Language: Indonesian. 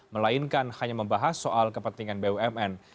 melainkan hanya membahas soal kepentingan bumn